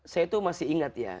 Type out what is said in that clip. saya itu masih ingat ya